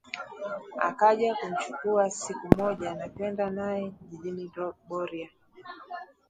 Akaja kumchukua siku moja na kwenda naye jijini Boria